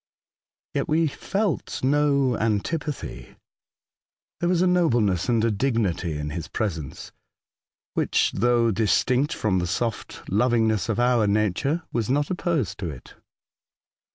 Yet we felt no antipathy. There was a nobleness and a dignity in his presence which, though distinct from the soft lovingness of our nature, was not opposed to it.